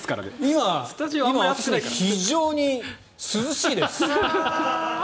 非常に涼しいです。